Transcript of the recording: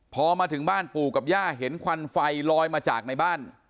พอมาถึงบ้านปู่กับย่าเห็นควันไฟลอยมาจากในบ้าน